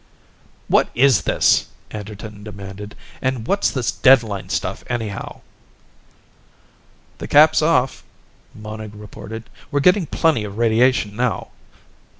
"What is this?" Anderton demanded. "And what's this deadline stuff, anyhow?" "The cap's off," Monig reported. "We're getting plenty of radiation now.